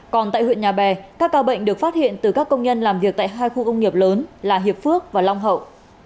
các ca bệnh được phát hiện từ các công nhân làm việc tại hai khu công nghiệp lớn là hiệp phước và long hậu